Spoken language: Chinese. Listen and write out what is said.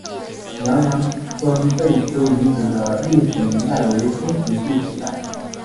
娘娘村贝丘遗址的历史年代为新石器时代。